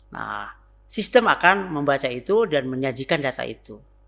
nah sistem akan membaca itu dan menyajikan data itu